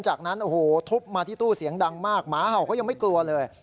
จากนั้นโอ้โหทุบมาที่ตู้เสียงดังมากหมาเห่าเขายังไม่กลัวเลย